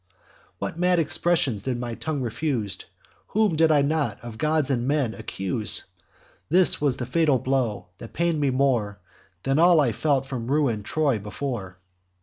"What mad expressions did my tongue refuse! Whom did I not, of gods or men, accuse! This was the fatal blow, that pain'd me more Than all I felt from ruin'd Troy before.